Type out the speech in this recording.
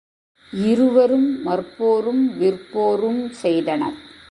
இருவரும் மற்போரும் விற்போரும் செய்தனர்.